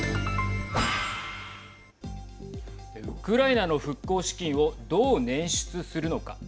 ウクライナの復興資金をどう捻出するのか。